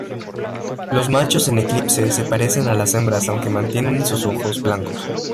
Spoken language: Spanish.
Los machos en eclipse se parecen a las hembras aunque mantienen sus ojos blancos.